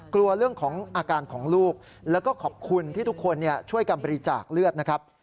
กลัวเรื่องของอาการของลูกแล้วก็ขอบคุณที่ทุกคนช่วยกันบริจาคเลือดนะครับ